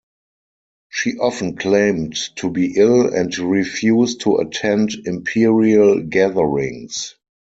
She often claimed to be ill and refused to attend imperial gatherings.